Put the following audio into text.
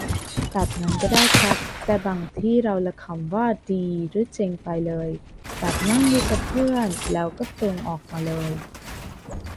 แบบนั้นก็ได้ครับ แต่บางทีเราละคำว่าดีหรือเจ๋งไปเลย แบบนั่งอยู่กับเพื่อนแล้วก็โผล่งออกมาเลย